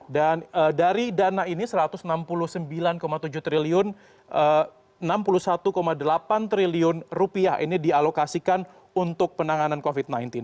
dan dari dana ini rp satu ratus enam puluh sembilan tujuh triliun rp enam puluh satu delapan triliun ini dialokasikan untuk penanganan covid sembilan belas